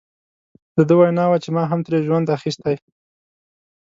د ده وینا وه چې ما هم ترې ژوند اخیستی.